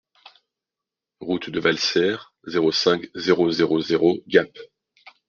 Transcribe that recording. Route de Valserres, zéro cinq, zéro zéro zéro Gap